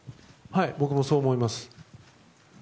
僕もそう思います。